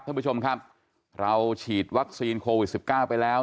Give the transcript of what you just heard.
ท่านผู้ชมครับเราฉีดวัคซีนโควิด๑๙ไปแล้ว